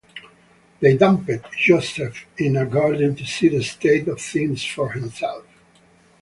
They dumped Joseph in a garden to see the state of things for himself.